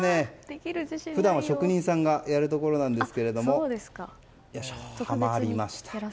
普段は職人さんがやるところなんですけどはまりました。